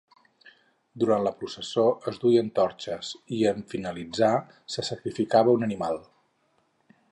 Durant la processó es duien torxes i en finalitzar se sacrificava un animal.